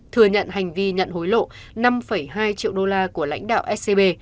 thừa nhận hành vi nhận hối lộ năm hai triệu đô la của lãnh đạo scb